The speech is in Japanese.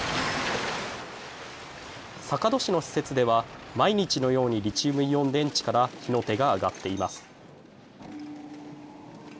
坂戸市の施設では毎日のようにリチウムイオン電池から火の手があがっています。